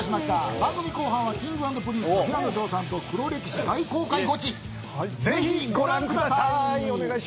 番組後半はＫｉｎｇ＆Ｐｒｉｎｃｅ・平野紫耀さんと黒歴史大公開ゴチです。